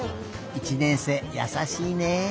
１年生やさしいね。